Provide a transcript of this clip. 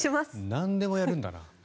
なんでもやるんだな。